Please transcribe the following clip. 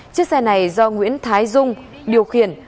chiếc xe này do nguyễn thái dung điều khiển